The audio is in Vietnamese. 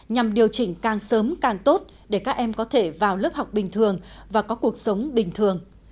nhằm điều chỉnh càng sớm càng tốt để các em có thể vào lớp học bình thường và có cuộc sống bình thường